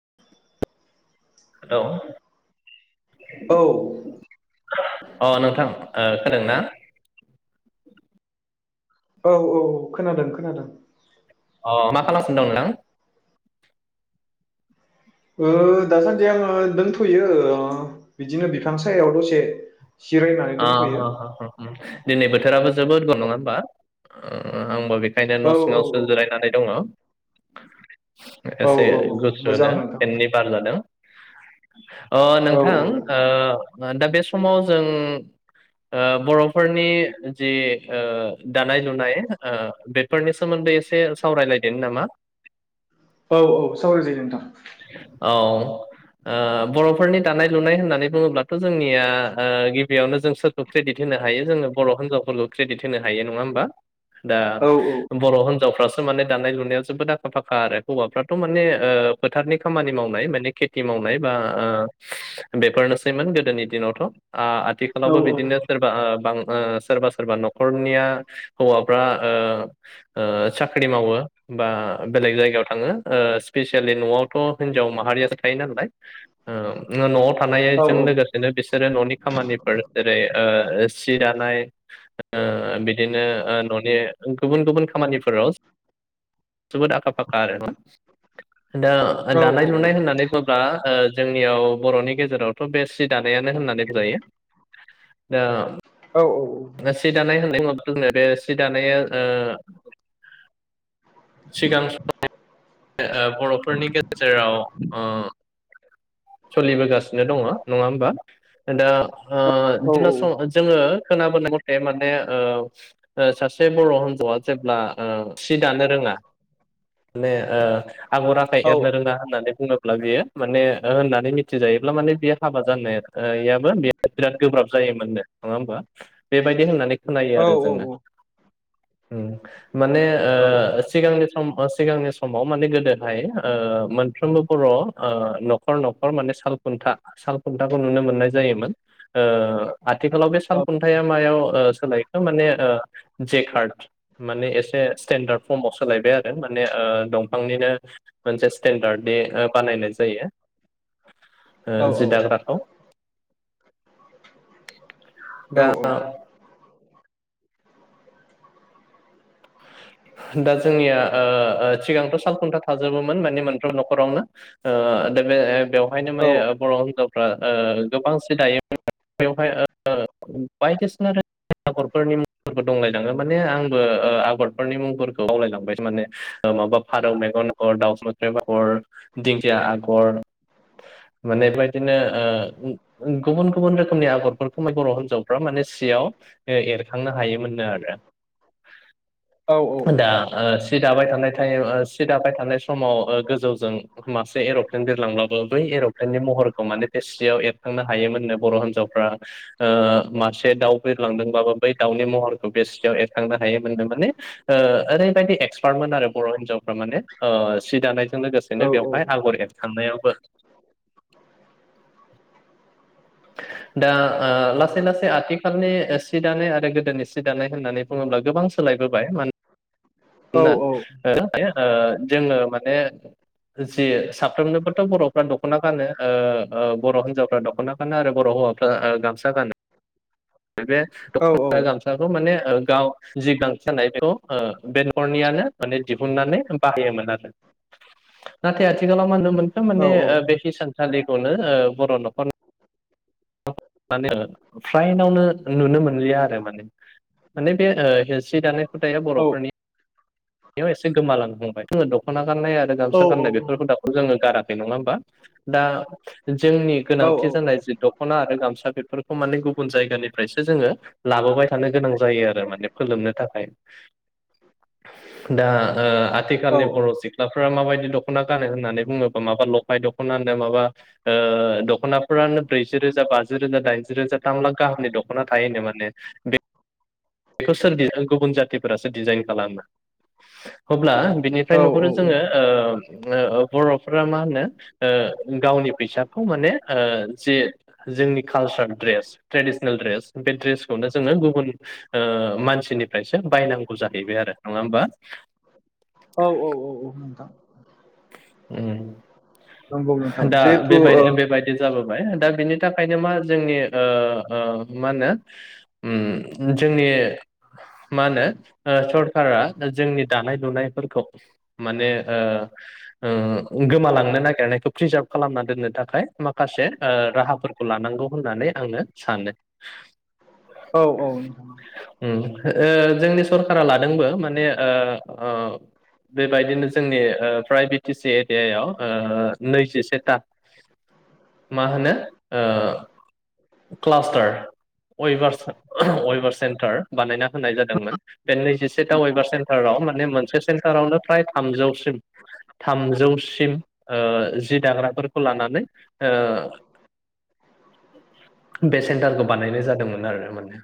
[unintelligible] औ। अ नोंथां ओ खोदों ना? औ औ खोनादों खोनादों। अ मा खालाम सिन दं नोंथां? ओ दासान्दि आङो दोंथ'यो ओ बिदिनो बिफां सायाव दसे। जिरायनानै आ दोनथ'यो [unintelligible] दिनै बोथोराबो जोबोद ग नङा होमबा? [unintelligible] ओंखायनो औ न' औ सिङावसो जिरायनानै दङ। [inaudible] औ एसे औ मोजां गुसुनो नोंथां फेननि बार जादों। अ औ नोंथां औ ओ दा बे समाव जों उम ओ बर'फोरनि जि ओ दानाय लुनाय ओ बेफोरनि सोमोन्दै एसे सावरायलायदोनि नामा? औ औ सावराय जायो नोंथां। औ ओ बर'फोरनि दानाय लुनाय होननानै बुङोब्लाथ जोंनिया ओ गि बेयावनो जों थ' क्रेडिट होनो हायो जोङो बर' होनजावफोरखौ। क्रेडिट होनो हायो नङा होमबा? दा औ बर' होन जावफ्रासो माने दानाय लुनायाव जोबोद आखा फाखा आरो हौवाफ्राथ माने फोथारनि खामानि मावनाय माने खेथि मावनाय बा बेफोरनोसैमोन गोदोनि दिनावथ आ। औ थिखालावबो बिदिनो सोरबा बां। सोरबा सोरबा नखरनिया हौवाफ्रा साख्रि मावो बा बेलेग जायगायाव थाङो स्पिेसियेलि नआवथ हिनजाव माहारियासो थायो नालाय नआव औ थानायजों लोगोसेनो बिसोरो ननि खामानि। फोर जेरै सि दानाय बिदि। दिनो ओ न'नि गुबुन गुबुन खामानिफोराव जोबोद आखा फाखा आरो। दा औ दानाय लुनाय होननानै बुङोब्ला ओ जोंनियाव बर'नि गेजेरावथ' बे सि दानायानो होननानै बुं जायो। दा औ औ दा सि दानाय होननाय उनाव जोंनो बे सि दानाया ओ सिगां समाव ओ बर'फोरनि गेजेराव ओ सलिबोगासिनो दङ नङा होमबा? दा ओ औ दिना सम जोङो खोनाबोनाय मथे माने ओ सा से बर' हिनजावआ जेब्ला ओ सि दानो रोङा माने ओ आगर आखाइ एरनो रोङा होननानै बुंङो लागैयो माने ओ होननानै मिथिजायोब्ला माने बे हाबा जानायाबो बिराद गोब्राब जायोमोननो नङा होमबा? बेबायदि होननानै खोनायो आरो जोङो। ओं माने ओ सिगां सम ओ सिगांनि समाव माने गोदोहाय ओ मोनफ्रोमबो बर' ओ न' खर न'खर माने सालखुन्था साल खुन्था नुनो मोननाय जायोमोन ओ आथिखालाव बे साल खुन्थाइा मायाव ओ सोलाय माने ओ जेक हार्ड। माने एसे स्टेेनडार्द फर्मआव सोलायबाय आरो माने ओ दं फांनिनो मोनसे स्टेेनडार्ड बे ओ बानायनाय जायो। ओ जि दाग्राखौ दा दा जोंनिया ओ ओ सिगांथ' सालखुन्था थाजोबोमोन माने मोनफ्रोम न'खरावनो ओ दा बे बेवहायनो माने ओ बर' हिनजाव ओ ओ गोबांसे दायो बेवहाय ओ बायदिसिना रोखोम आगरफोरनि मुंबो दंलायलाङो माने आंबो ओ आगर फोरनि मुंफोर बावलायलांबायसो माने ओ माबा फारौ मेगन आगर दाउसा मोख्रेब आगर दिंखिया आग गर माने बेबायदिनो ओ गुबुन गुबुन रोखोमनि आगरफोरखौ बर' हिनजावफ्रा माने सियाव ओ एरखांनो हायोमोननो आरो। दा ओ सि दाबाय थानाय टाइम ओ सि दाबाय थानाय स समाव ओ गोजौजों मासे एर'प्लेन बिरलांब्लाबो बै एर'प्लेननि महरखौ माने बे सियाव एरखांनो हायोमोननो बर' हिनजावफ्रा ओ मासे दाउ बिरलांदोंबाबो बै दाउनि महरखौ बे सियाव एरखांनो हायोमोननो माने ओ थारमाने ओ सि दानाय जों लोगोसेनो बेवहाय आगर एरखांनायावबो दा आ लासै लासै आथिखालनि ओ सि दानाय आरो गोदोनि सि दानाय होननानै बुङोब्ला गोबां सोलायबोबाय मनो ना ओ दायो - दायो जोङो माने जि साफ्रोमनोबोथ' बर'फ्रा दख'ना गानो ओ - ओ बर' हिन्जावफ्रा दख'ना गानो आरो बर' हौवाफ्रा ओ गामसा गानो। बे दखसा गामसाखौ माने ओ गाव जि गांसोनाय बेखौ ओ बे नखरनियानो माने दिहुननानै बाहायोमोन आरो। बे आथिखालाव माहोनदों मोनथ माने ओ बे हिसानसालि खौनो ओ बर' दखना खौ माने ओ फ्राइनावनो नुनो मोनलिया आरो माने माने बे ओ हेस्रि दानाय हुदा बर'फोरनि। बेयाव एसे गोमालांहांबाय जोङो दख'ना गाननाय आरो गामसा गाननाय बेफोर हुदाखौ जोङो गारा नङा होमबा दा- जोंनि गोनांथि जानाय जिब दख'ना आरो गामसाफोर बेफोरखौ माने गुबुन जायगानिफ्रायसो जोङो लाबोबाय थानो गोनां जायो आरो माने फोलोमनो थाखाय। [inaudible] दा ओ औ औ आथिखालनि औ बर' सिख्ला फ्रा माबायदि दख'ना गानो होननानै बुङोबा माबा लफाय दख'नानो माबा ओ दख'नाफोरानो ब्रैजि रोजा बाजि रोजा दाइनजि रोजा थाम लाख गाहामनि दख'ना थायो माने बे बेखौ सोर डिजाइनखौ गुबुन जाथिफोरासो डिजाइन खालामो हब- अब्ला औ बिनिफ्राय नुहुरो जोङो ओ- ओ - औ बर'फोरा मा होनो ओ गावनि फैसाखौ माने ओ जे जोंनि कालसार ड्रेस ट्रेडिसनेल ड्रेस बे ड्रेसखौनो जोंङो गुबुन [inaudible] ओ - मानसिनिफ्रायसो बायनांगौ जाहैबाय आरो नङा होमबा औ औ औ औ नोंथां उम नंगौ नोंथां दा जिहेथु बेबाय ओ बेबायदि जाबोबाय दा बिनि थाखायनो मा जोंनि ओ - ओ मा होनो उम जोंनि मा होनो ओ सरखारा जोंनि दानाय लुनायफोरखौ माने ओ - ओम गोमालांनो नागिरनायखौ प्रिजार्भ खालामना दोननो थाखाय माखासे ओ राहाफोरखौ लानांगौ होननानै आङो सानो औ औ नोंथां उम ओ जोंनि सरकारा लादोंबो माने ओ-अ बेबायदिनो जोंनि ओ फ्राय बिटि सि एरियायाव ओ नैजिसेता मा होनो ओ क्लास्टार अभ अभार सेन्टार बानायना होनाय जादोंमोन बे नैजिसेथा अेभार सेन्टाराव माने मोनसे सेन्टारावनो फ्राय थामजौसिम थामजौसिम ओ जि दाग्राफोरखौ लानानै ओ बे सेन्टारखौ बानायनाय जादोंमोन आरो माने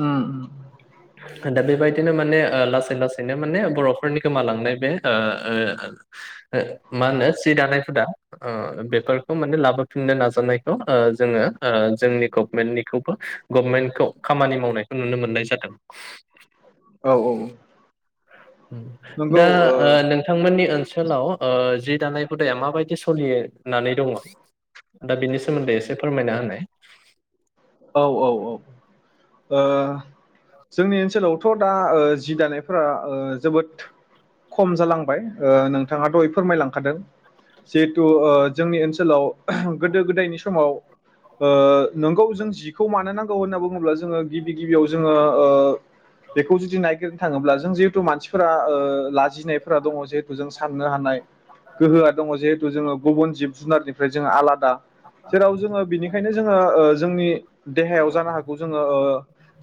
उम उम दा बेबायदिनो माने ओ लासै लासैनो माने बर'फोरनि गोमालांनाय बे ओ ओ ओ मा होनो सि दा ओ बेफोरखौ माने लाबोफिननो नाजानायखौ ओ जोङो ओ जोंनि गभमेन्टनिखौबो गभनमेन्टखौ खामानि मावनायखौ नुनो मोननाय जादों। [inaudible] औ औ। दा ओ नोंथांमोननि ओनसोलाव ओ जि दानाय हुदाया मा बायदि सलिनानै दङ दा बिनि सोमोन्दै एसे फोरमायना होनाय। औ औ औ। ओ जोंनि ओनसोलावथ' दा ओ जि दानायफोरा ओ जोबोद खम जालांबाय ओ नोंथाङा दहय फोरमायलांखादों जिहेथु ओ जोंनि ओनसोलाव गोदो गोदायनि समाव नोंगौ जों जिखौ मानो नांगौ होनना बुङोब्ला जोङो गिबि गिबियाव जोङो ओ बेखौ जुदि नायगिरनो थाङोब्ला जों जिहेथु मानसिफोरा ओ लाजिनायफोरा दङ जिहेथु जों साननो हानाय गोहोआ दङ जिहेथु जोङो गुबुन जिब जुनारनिफ्राय जों आलादा जेराव जोङो बिनिखायनो जोङो ओ जोंनि देहायाव जानो हागौ जोङो ओ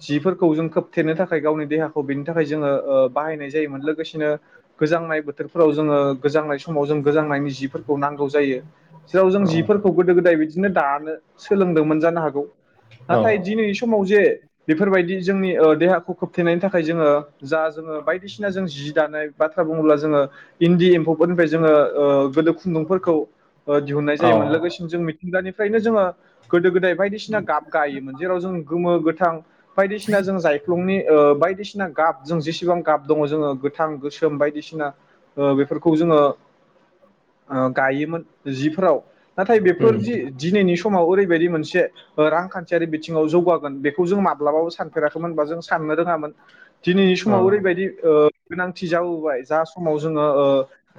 जिफोरखौ जों खोब थेनो थाखाय गावनि देहाखौ बेनि थाखाय जोङो ओ बाहायनाय जायोमोन लोगोसेनो गोजांनाय बोथोरफोराव जोङो गोजांनाय समाव जों गोजांनायनि जिफोरखौ नांगौ जायो जेराव जों जिफोरखौ गोदो गोदाय बिदि बिदिनो दानो सोलोंदोंमोन जानो हागौ। औ नाथाय औ दिनैनि समाव जे बेफोरबायदि जोंनि ओ देहाखौ खोबथेनायनि थाखाय जोङो जा जोङो बायदिसिना जों जि दानाय बाथ्रा बुङोब्ला जोङो इन्दि एम्फौफोरनिफ्राय जोङो ओ गोदो खुन्दुंफोरखौ ओ दिहुननाय औ जायोमोन लोगोसेनो जों मु गानिफ्रायनो जोङो गोदाय बायदिसिना गाब गायोमोन जेराव जों गोमो गोथां बायदिसिना जों जायख्लंनि ओ बायदिसिना गाब जों जेसेबां गाब दङ जोङो गोथां गोसोम बायदिसिना ओ बेफोरखौ जोङो ओ गायोमोन। जिफोराव नाथाय बेफोर उम जि दिनैनि समाव ओरैबायदि मोनसे रांखान्थियारि बिथिङाव जौगागोन बेखौ जों मा माब्लाबाबो सानफेराखैमोनबा जों साननो रोङामोन दिनैनि औ समाव ओरैबायदि ओ गोनांथि जाबोबाय जा समाव जोङो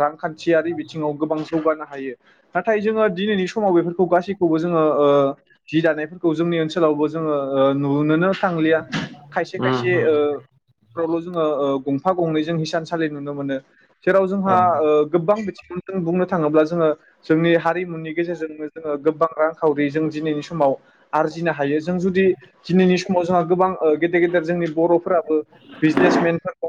रांखान्थियारि बिथिङाव गोबां जौगानो हायो नाथाय जोङो दिनैनि समाव बेफोर खौ गासै खौबो जोङो ओ जि दानाय फोरखौ जोंनि ओनसोलावबो जोङो ओ नु बुनोनो थांलिया खायसे खायसे उम फोरावल' जोङो गंफा गंनै जों हिसानसालि नु नुनो मोनो। जेराव उम औ जोंहा ओ गोबां बिथिङावनो जों बुंनो थाङोब्ला जोङो जोंनि हारिमुनि गेजेरजोंनो जोङो गोबां रांखावरि जों दिनैनि समाव आरजिनो हायो जों जुदि दिनैनि समाव जोंहा गोबां गेदेर गेदेर जोंनि बर'फोराबो बिजनेसमेनफोरखौ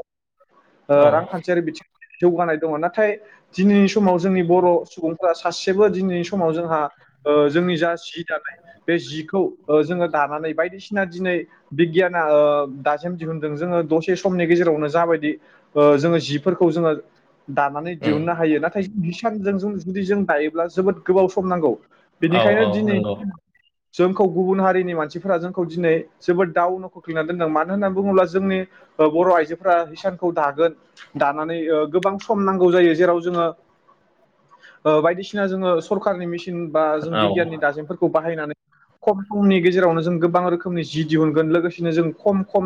औ ओ रांखान्थियारि बिथिं जौगानाय दङ नाथाय दिनैनि समाव जोंनि बर' सुबुं फोरा सासेबो दिनैनि समाव जोंहा ओ जोंनि जा जि दानाय बे जि ओ जोङो दानानै बाय बायदिसिना दिनै बिगियाना ओ दासिम दिहुनदों जोङो दसे समनि गेजेरावनो जाबायदि जोङो जिफोरखौ जोङो दानानै उम दिहुननो हायो नाथाय सानजों जों जुदि जों दायोब्ला जोबोद गोबाव सम नांगौ। औ बेनिखायनो औ दिनै नंगौ जोंखौ गुबुन हारिनि मानसिफोरा जोंखौ दिनै जोबोद दावनाव खोख्लैनानै दोनदों मानो होननानै बुङोब्ला जोंनि बर' आइजोफोरा हिसानखौ दागोन दानानै गोबां सम नांगौ जायो जेराव जोङो बायदिसिना जोङो सरकारनि मिन बा जों औ ओं बिगियाननि दाजेमफोरखौ बाहायनानै खम समनि गेजेरावनो जों गोबां रोखोमनि जि दिहुनगोन लोगोसेनो जों खम खम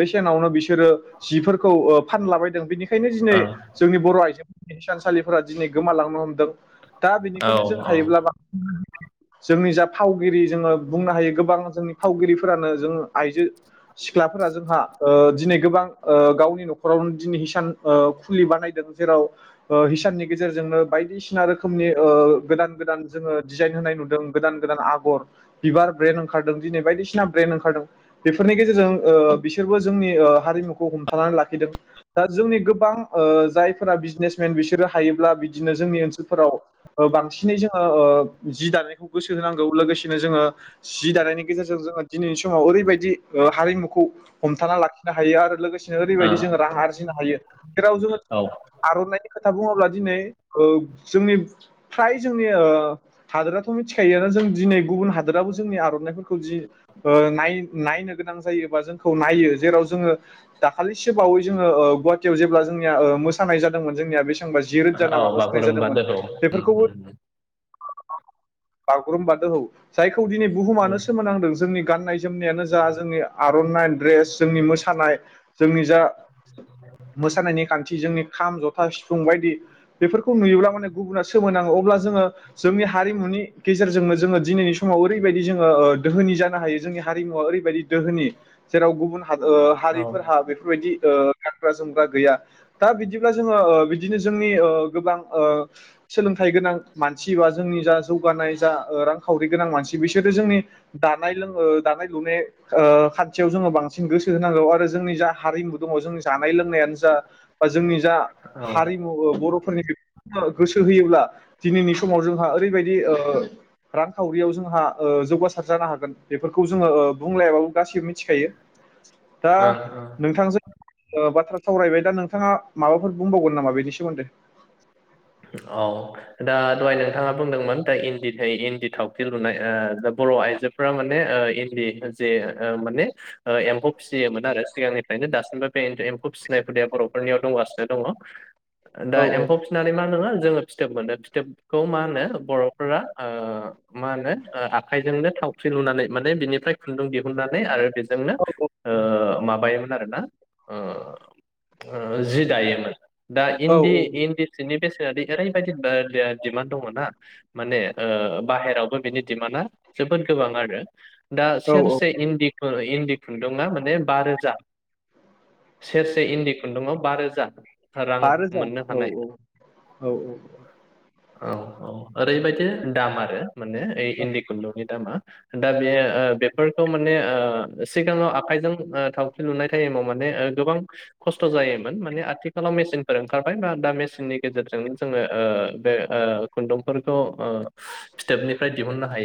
बेसेनावनो बिसोरो जिफोरखौ फानलाबायदों बेनिखायनो बेखायनो दिनै औ जोंनि बर' आइजोफोर हिसानसालिफोरा दिनै गोमालांनो हमदों दा बेनिखायनो जों औ ओं हायोब्ला बा जोंनि जा फावगिरि जोङो बुंनो हायो गोबां जोंनि फावगिरिफोरानो जों आइजो सिख्लाफोरा जोंहा दिनै गोबां गावनि न'खरावनो दिनै हिसान खुलि बानायदों जेराव हिसाननि गेजेरजोंनो बायदिसिना रोखोमनि गोदान गोदान जोङो डिजाइन होनाय नुदों गोदान गोदान आगर बिबार ब्रेन ओंखारदों दिनै बायदिसिना ब्रेन ओंखारदों बेफोरनि गेजेरजों ओ बिसोरबो जोंनि ओ हारिमुखौ हमथानानै लाखिदों दा जोंनि गोबां ओ जायफोरा बिजिनेसमेन बिसोरो हायोब्ला बिदिनो जोंनि ओनसोलफोराव बांसिनै जोङो ओ जि दानायखौ गोसो होनांगौ लोगोसेनो जोङो जि दानायनि गेजेरजों जोङो दिनैनि समाव ओरैबायदि ओ हारिमुखौ हमथाना लाखिनो हायो आरो लोगोसेनो ओरैबायदि जोङो राहा आरजिनो हायो जेराव जोङो औ आर'नाइनि ख खोथा बुङोब्ला दिनै ओ जोंनि फ्राय जोंनि ओ हादोराथ' मिथिखायो जों दिनै गुबुन हादोराबो जोंनि आर'नाइफोरखौनाय जि ओ नाय नायनो गोनां जायोबा जोंखौ नायो जेराव जोङो दाखालिसो बावै जोङो ओ गुवाहाटियाव जेब्ला जों ओ मोसानाय जादोंमोन जोंनिया बेसेबांबा जिरोजा नामा औ मोसानाय बागुरुम्बा जादोंमोन दोहौ उम बेफोरखौबो उम बागुरुम बा दोहौ जायख खौ दिनै बुहुमानो उम सोमोनांदों जोंनि गाननाय जोमनायानो जा जोंनि आरनाइ द्रेस जोंनि मोसानाय जोंनि जा मोसानायनि खान्थि जोंनि खाम जथ फासिफुं बायदि बेफोरखौ नुयोब्ला माने गुबुना सोमोनाङो अब्ला जोङो जोंनि हारिमुनि गेजेरजोंनो जोङो दिनैनि समाव ओरैबायदि जोङो ओ दोहोनि जानो हायो जोंनि हारिमुवा ओरैबायदि दोहोनि जेराव गुबुन हा ओ औ हारिफोरहा बेफोरबायदि ओ गानग्रा जोमग्रा गैया दा बिदिब्ला जोङो ओ बिदिनो जोंनि ओ गोबां ओ सोलोंथाइ गोनां मानसि बा जोंनि जा जौ जौगानाय जा ओ रांखावरि गोनां मानसि बिसोरो जोंनि दानाय लों ओ दानाय लुनाय ओ खान्थियाव जोङो बांसिन गोसो होनांगौ आरो जोंनि जा हारिमु दङ जोंनि जानाय लोंनायानो जा बा जोंनि जा ओं हारिमु ओ बर'फोरनि गोसो होयोब्ला दिनैनि समाव जोंहा ओरैबायदि ओ रांखावरियाव जोंहा ओ जौगासार जानो हागोन बेफोरखौ जोङो ओ बुंलायाबाबो गासिबो मि थिखायो दा ओं औ नोंथांजों ओ बाथ्रा सावरायबाय दा नोंथाङा माबाफोर बुंबावगोन नामा बेनि सोमोन्दै? औ दा दहाय नोंथाङा बुंदोंमोन दा इन्दि थाय इन्दि थावख्रि लुनाय ओ दा बर'आइजोफोरा माने ओ इन्दि जे ओ माने ओ एम्फौ फिसियोमोन आरो सिगांनिफ्रायनो दासिमबो बे एनथो एम्फौ फिसिनाय हुदाया बरफोरनियाव दंगासिनो दङ। दा औ एम्फौ फिसिनानै मा फोरा जोङो फिथोब मोनो फिथोब खौ मानो बर'फोरा ओ मानो ओ आखायजोंनो थावख्रि लुनानै माने बिनिफ्राय खुुंन्दुं दिहुननानै आरो बेजों जोंनो औ ओ माबायोमोन आरो ना ओ ओ जिदायो मोन। दा औ इन्दि इन्दि सिनि बेसेनाद ओरैबायदि [unintelligible] डिमान्ड दङना माने ओ बाहेरावबो बिनि डिमान्डा जोबोद गोबां आरो। दा औ औ सेरसे इन्दि फोरै इन्दि खुन्दुङा माने बारोजा सेरसे इन्दि खुन्दुंआव बारोजा बारोजा औ औ। औ औ। औ औ ओरैबायदि दाम आरो माने ओइ इन्दि खुन्दुंनि दामा दा बे ओ बेफोरखौ माने ओ सिगाङाव आखाइजों आ थावख्रि लुनाय टाइमाव माने ओ गोबां खस्थ जायोमोन माने आथिखालाव मेसिनफोर ओंखारबाय बा दा मेस नि गेजेरजों जोङो ओ बे ओ खुन्दुंफोरखौ ओ फिथोबनिफ्राय दिहुननो हायो।